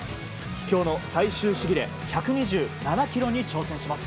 今日の最終試技で１２７ｋｇに挑戦します。